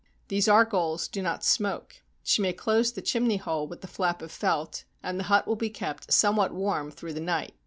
These argols do not smoke; she may close the chimney hole with the flap of felt, and the hut will be kept somewhat warm through the night.